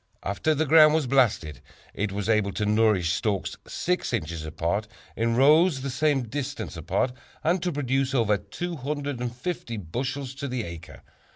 After the ground was blasted, it was able to nourish stalks 6 inches apart in rows the same distance apart, and to produce over 250 bushels to the acre.